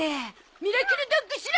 ミラクルドッグ・シロ！